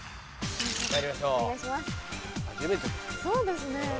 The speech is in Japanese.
そうですね。